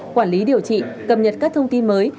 quản lý điều trị cập nhật các thông tin mới